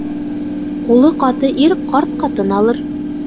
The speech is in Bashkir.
Ҡулы ҡаты ир ҡарт ҡатын алыр.